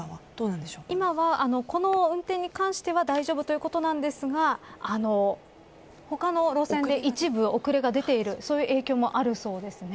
今は、この運転に関しては大丈夫ということですが他の路線で一部遅れが出ているそういう影響もあるそうです。